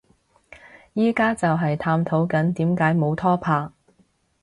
而家就係探討緊點解冇拖拍